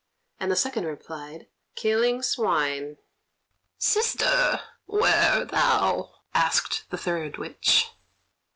And the second replied: "Killing swine." "Sister, where thou?" asked the third witch.